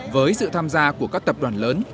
với sự tham gia của các tập đoàn lớn